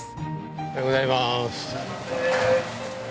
おはようございます。